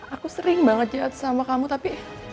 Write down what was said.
aku sering banget jatuh sama kamu tapi